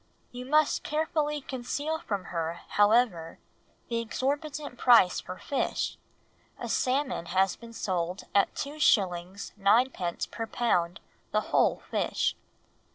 You must carefully conceal from her, however, the exorbitant price for fish; a salmon has been sold at 2s. 9d. per pound the whole fish."